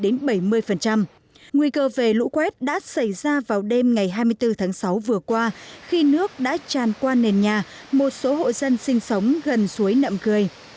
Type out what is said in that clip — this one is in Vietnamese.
nguy cơ về lũ quét đã xảy ra vào đêm ngày hai mươi bốn tháng sáu vừa qua khi nước đã tràn qua nền nhà một số hộ dân sinh sống gần suối nậm cười